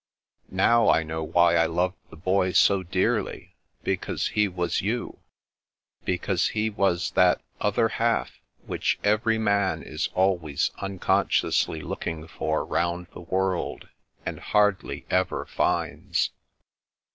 Now I know why I loved the Boy so dearly, because he was you ; because he was that Other Half which every man is always unconsciously looking for, round the world, and hardly ever finds."